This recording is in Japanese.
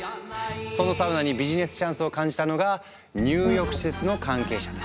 そのサウナにビジネスチャンスを感じたのが入浴施設の関係者たち。